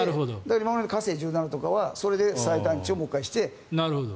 今まで火星１７とかはそれで再探知をもう一回してと。